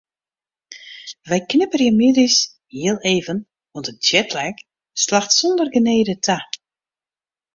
Wy knipperje middeis hiel even want de jetlag slacht sonder genede ta.